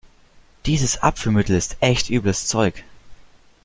Dieses Abführmittel ist echt übles Zeug.